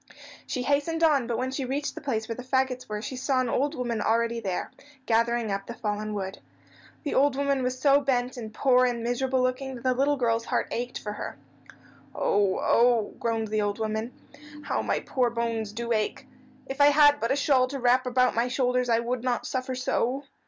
She hastened on, but when she reached the place where the fagots were she saw an old woman already there, gathering up the fallen wood. The old woman was so bent and poor and miserable looking that the little girl's heart ached for her. "Oh, oh!" groaned the old woman. "How my poor bones do ache. If I had but a shawl to wrap about my shoulders I would not suffer so."